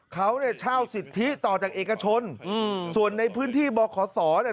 เขาเนี่ยเช่าสิทธิต่อจากเอกชนอืมส่วนในพื้นที่บขศเนี่ย